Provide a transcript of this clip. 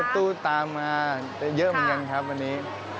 ตู้ตามมาเยอะเหมือนกันครับวันนี้